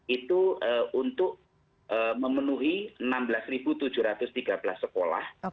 itu untuk memenuhi enam belas tujuh ratus tiga belas sekolah